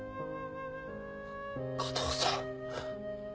加藤さん。